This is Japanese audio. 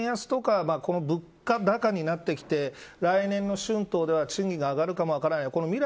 物価高になってきて、来年の春闘で賃金が上がるかも分からない。